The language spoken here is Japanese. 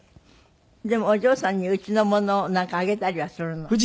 でもお嬢さんにうちのものなんかあげたりはするの？